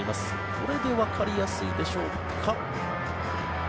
これでわかりやすいでしょうか。